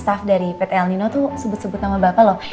staff dari pt el nino tuh sebut sebut nama bapak loh